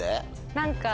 何か。